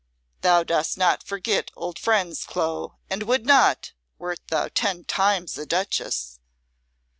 Thou dost not forget old friends, Clo, and would not, wert thou ten times a Duchess."